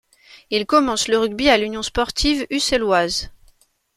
Il commence le rugby à l’Union Sportive Usselloise.